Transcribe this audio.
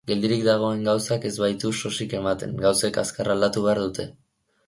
Geldirik dagoen gauzak ez baitu sosik ematen, gauzek azkar aldatu behar dute.